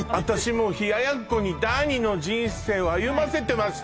もう冷奴に第２の人生を歩ませてました